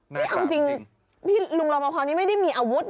เนี่ยความจริงพี่หลุงรอบประพานี่ไม่ได้มีอาวุธ